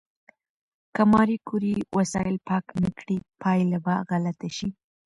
که ماري کوري وسایل پاک نه کړي، پایله به غلطه شي.